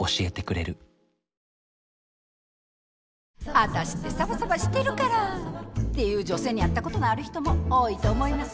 「ワタシってサバサバしてるから」って言う女性に会ったことのある人も多いと思います。